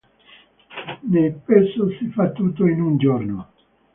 Nel Peso si fa tutto in un giorno.